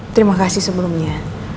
terima kasih sebelumnya